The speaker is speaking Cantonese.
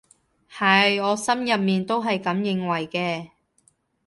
係，我心入面都係噉認為嘅